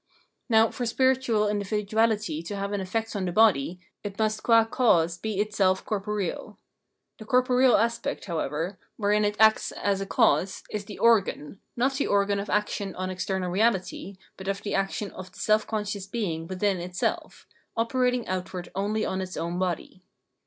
Now, for spiritual individuahty to have an elfect on the body, it must qua cause be itself corporeal. The corporeal aspect, however, wherein it acts as a 314 Phenomenology of Mind cause, is the organ, not the organ of action on external reahty, but of the action of the self conscious being within itself, operating outward only on its own body.